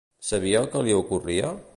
Sabia el que li ocorria?